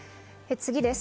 次です。